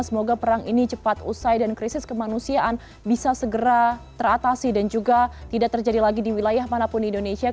semoga perang ini cepat usai dan krisis kemanusiaan bisa segera teratasi dan juga tidak terjadi lagi di wilayah manapun di indonesia